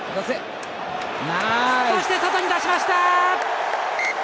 そして、外に出しました！